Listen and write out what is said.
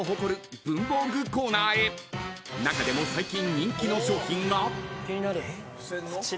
［中でも最近］